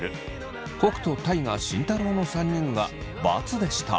北斗大我慎太郎の３人が×でした。